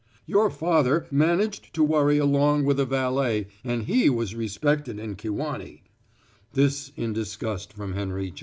Your father managed to worry along without a val lay, and he was respected in Kewanee." This in disgust from Henry J.